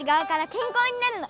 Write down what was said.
けんこうになるの？